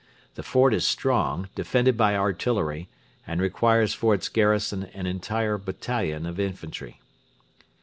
The fort is strong, defended by artillery, and requires for its garrison an entire battalion of infantry.